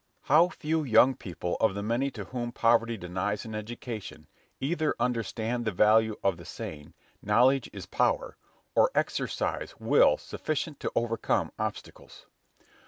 How few young people of the many to whom poverty denies an education, either understand the value of the saying, "knowledge is power," or exercise will sufficient to overcome obstacles.